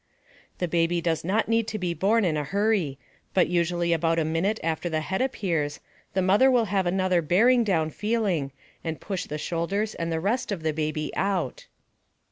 The baby does not need to be born in a hurry, but usually about a minute after the head appears the mother will have another bearing down feeling and push the shoulders and the rest of the baby out.